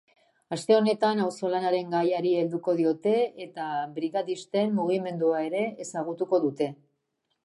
Aste honetan auzolanaren gaiari helduko diote eta brigadisten mugimendua ere ezagutuko dute.